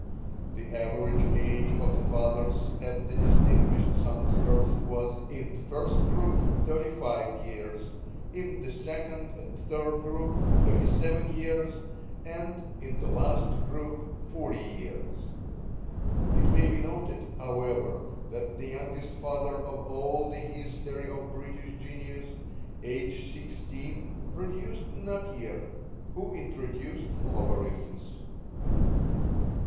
The average age of the fathers at the distinguished son's birth was, in the first group, 35 years; in the second and third group, 37 years; and in the last group, 40 years. (It may be noted, however, that the youngest father of all the history of British genius, aged sixteen, produced Napier, who introduced logarithms.)